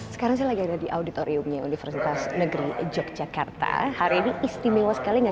sekarang saya lagi ada di auditoriumnya universitas negeri yogyakarta hari ini istimewa sekali nggak